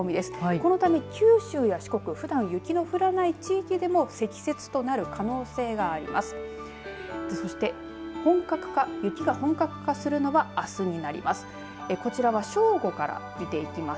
このため九州や四国ふだんの雪の降らない地域でも積雪となる可能性があります。